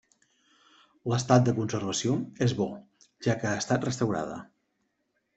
L'estat de conservació és bo, ja que ha estat restaurada.